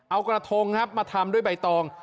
เอากระทงครับมาทำด้วยใบตอง